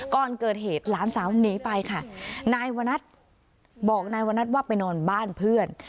ก่อนเกิดเหตุหลานสาวหนีไปค่ะนายวนัทบอกนายวนัทว่าไปนอนบ้านเพื่อน